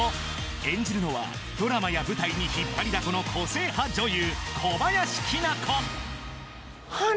演じるのはドラマや舞台に引っ張りだこの個性派女優